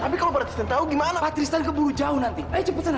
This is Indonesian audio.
tapi kalau patristana tau gimana patristana keburu jauh nanti ayo cepet sana